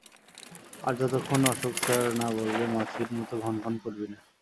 আর যতক্ষণ অশোক স্যার না বলবে মাছির মতো ভনভন করবি না!